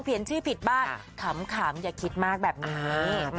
เขียนชื่อผิดบ้างค่ะขำขามอย่าคิดมากแบบนี้อ่า